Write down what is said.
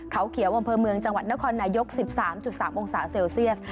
เขาเขียวอำเภอเมืองจังหวัดนครนายกสิบสามจุดสามองศาเซลเซียส